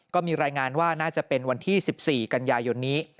ก็มีรายงานว่าน่าจะเป็นวันที่๑๔กันยายนนี้